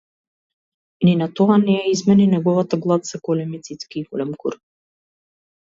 Но ни тоа не ја измени неговата глад за големи цицки и голем кур.